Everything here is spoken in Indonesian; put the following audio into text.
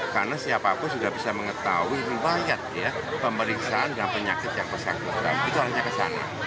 karena siapapun sudah bisa mengetahui bahwa pemeriksaan dan penyakit yang pesakit itu hanya kesana